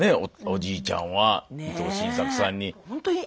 おじいちゃんは伊藤新作さんに。